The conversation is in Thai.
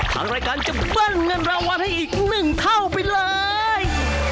ทางรายการจะเบิ้ลเงินราวรรณ์ให้อีกหนึ่งเท่าไปเลย